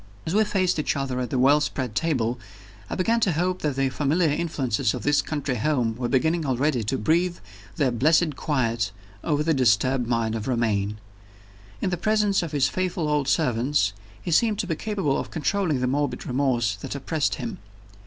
As we faced each other at the well spread table, I began to hope that the familiar influences of his country home were beginning already to breathe their blessed quiet over the disturbed mind of Romayne. In the presence of his faithful old servants, he seemed to be capable of controlling the morbid remorse that oppressed him.